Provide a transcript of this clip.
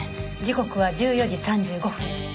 時刻は１４時３５分。